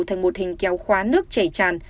thành một hình kéo khóa nước chảy tràn